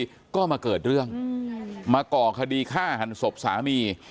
แล้วก็มาเกิดเรื่องมาก่อคดีฆ่าหันศพสามี